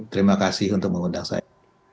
terima kasih untuk mengundang saya